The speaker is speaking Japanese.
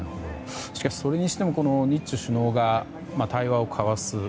しかし、それにしても日中首脳が対話を交わす。